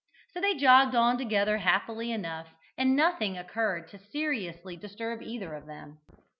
So they jogged on together happily enough, and nothing occurred to seriously disturb either of them.